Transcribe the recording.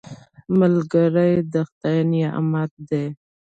ملګری د خدای نعمت دی